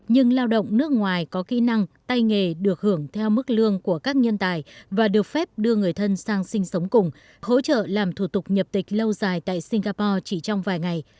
nhưng lao động nước ngoài có kỹ năng tay nghề được hưởng theo mức lương của các nhân tài và được phép đưa người thân sang sinh sống cùng hỗ trợ làm thủ tục nhập tịch lâu dài tại singapore chỉ trong vài ngày